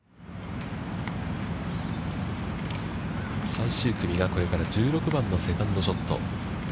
最終組がこれから１６番のセカンドショット。